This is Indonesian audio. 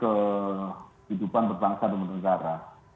kehidupan perbangsa dan pemerintah negara